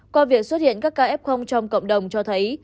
qua việc xuất hiện các ca f trong cộng đồng cho thấy